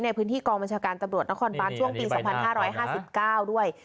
ในพื้นที่กองบัญชาการตำรวจนครบานช่วงปี๒๕๕๙ด้วย